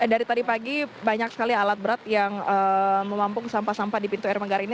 dari tadi pagi banyak sekali alat berat yang memampung sampah sampah di pintu air manggar ini